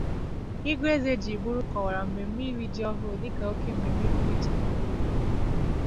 Igwe Ezejiburu kọwara mmemme iri ji ọhụrụ dịka oke mmemme pụrụ iche n'ala Igbo